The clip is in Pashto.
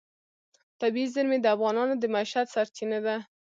طبیعي زیرمې د افغانانو د معیشت سرچینه ده.